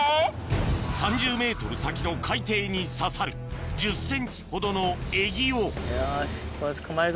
３０ｍ先の海底に刺さる１０ｃｍほどのエギをよしこれ捕まえるぞ。